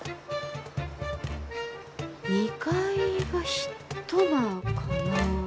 ２階が１間かな？